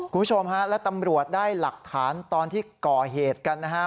คุณผู้ชมฮะและตำรวจได้หลักฐานตอนที่ก่อเหตุกันนะฮะ